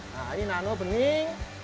nah ini nano bening